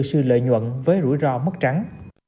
sư lợi nhuận với rủi ro mất trắng